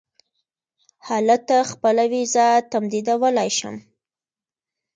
هلته خپله وېزه تمدیدولای شم.